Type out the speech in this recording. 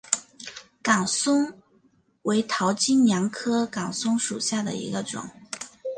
岗松为桃金娘科岗松属下的一个种。